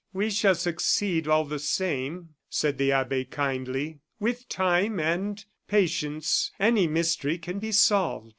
"We shall succeed all the same," said the abbe, kindly; "with time and patience any mystery can be solved."